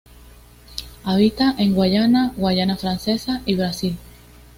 Habita en la Guayana, Guayana Francesa y Brasil.